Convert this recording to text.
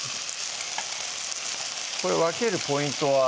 これ分けるポイントは？